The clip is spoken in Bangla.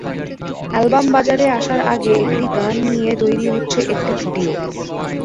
অ্যালবাম বাজারে আসার আগে একটি গান নিয়ে তৈরি হচ্ছে একটি ভিডিও।